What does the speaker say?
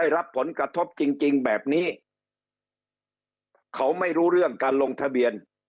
รับผลกระทบจริงจริงแบบนี้เขาไม่รู้เรื่องการลงทะเบียน